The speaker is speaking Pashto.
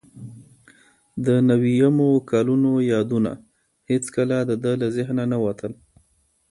د نویمو کلونو یادونه هیڅکله د ده له ذهنه نه وتل.